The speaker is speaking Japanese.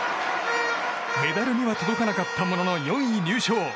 メダルには届かなかったものの４位入賞。